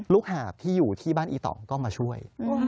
หาบที่อยู่ที่บ้านอีต่องก็มาช่วย